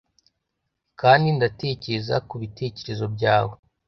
Kandi ndatekereza kubitekerezo byawe